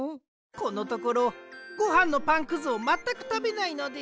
このところごはんのパンくずをまったくたべないのです。